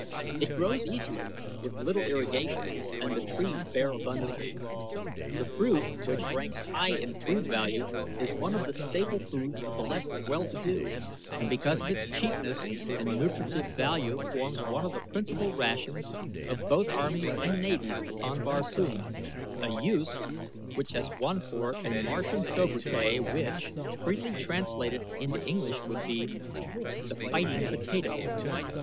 It grows easily with little irrigation and the trees bear abundantly. The fruit, which ranks high in food value, is one of the staple foods of the less well to do, and because of its cheapness and nutritive value forms one of the principal rations of both armies and navies upon Barsoom, a use which has won for it a Martian sobriquet which, freely translated into English, would be, The Fighting Potato.